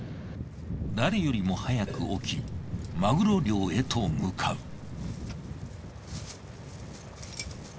誰よりも早く起きマグロ漁へと向かう。